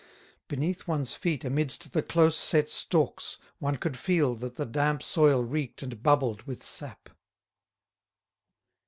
Beneath one's feet amidst the close set stalks one could feel that the damp soil reeked and bubbled with sap.